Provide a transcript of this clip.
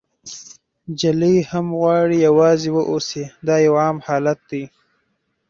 نجلۍ هم غواړي یوازې واوسي، دا یو عام حالت دی.